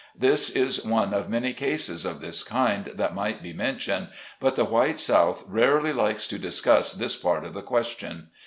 This is one of many cases of this kind that might be mentioned, but the white South rarely likes to discuss this part of the question.